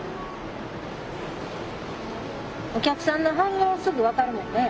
お客さんの反応すぐ分かるもんね。